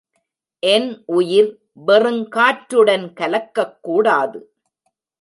என் உயிர் வெறுங் காற்றுடன் கலக்கக் கூடாது.